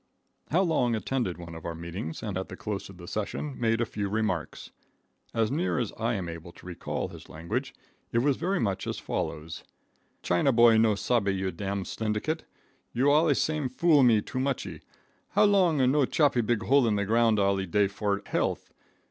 How Long attended one of our meetings and at the close of the session made a few remarks. As near as I am able to recall his language, it was very much as follows: "China boy no sabbe you dam slyndicate. You allee same foolee me too muchee. How Long no chopee big hole in the glound allee day for health.